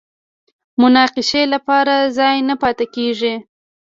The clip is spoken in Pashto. د مناقشې لپاره ځای نه پاتې کېږي